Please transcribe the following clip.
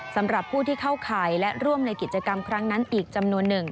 สำหรับผู้ที่เข้าข่ายและร่วมในกิจกรรมครั้งนั้นอีกจำนวนหนึ่ง